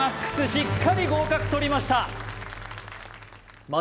しっかり合格とりました